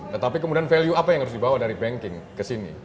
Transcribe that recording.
tetapi kemudian value apa yang harus dibawa dari banking ke sini